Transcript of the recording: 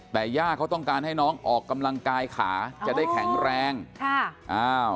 แต่ย่าเขาต้องการให้น้องออกกำลังกายขาจะได้แข็งแรงค่ะอ้าว